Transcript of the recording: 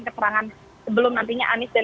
keterangan sebelum nantinya anies dan